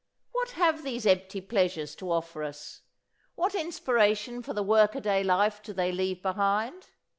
What have these empty pleasures to offer us? What inspiration for the work a day life do they leave behind?